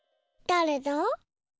だれだ？